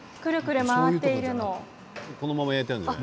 このまま焼いているの？